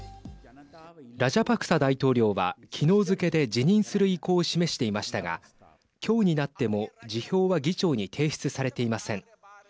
ラジャパクサ大統領はきのう付けで辞任する意向を示していましたがきょうになっても、辞表は議長に提出されていません。